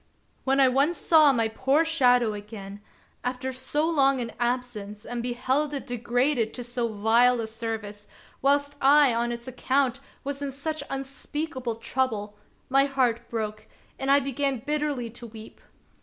When I once saw my poor shadow again, after so long an absence, and beheld it degraded to so vile a service, whilst I on its account was in such unspeakable trouble, my heart broke, and I began bitterly to weep.